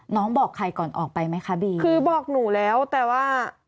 บอกใครก่อนออกไปไหมคะบีคือบอกหนูแล้วแต่ว่า